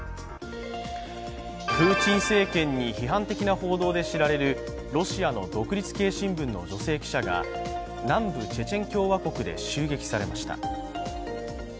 プーチン政権に批判的な報道で知られるロシアの独立系新聞の女性記者が、南部チェチェン共和国で襲撃されました。